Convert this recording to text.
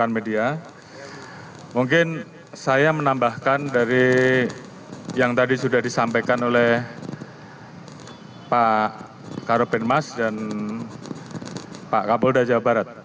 mungkin saya menambahkan dari yang tadi sudah disampaikan oleh pak karopenmas dan pak kapolda jawa barat